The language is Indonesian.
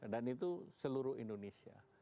dan itu seluruh indonesia